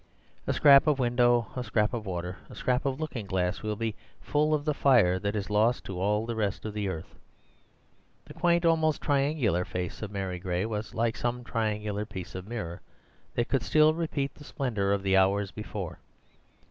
A scrap of window, a scrap of water, a scrap of looking glass, will be full of the fire that is lost to all the rest of the earth. The quaint, almost triangular face of Mary Gray was like some triangular piece of mirror that could still repeat the splendour of hours before.